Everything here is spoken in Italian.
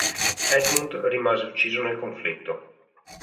Edmund rimase ucciso nel conflitto.